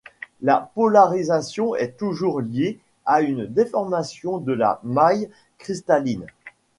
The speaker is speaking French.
La polarisation est toujours liée à une déformation de la maille cristalline.